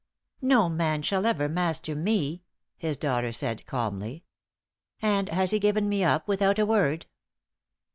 "No man shall ever master me," his daughter said, calmly. "And has he given me up without a word?"